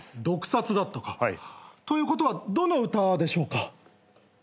毒殺だったか。ということはどの歌でしょうか。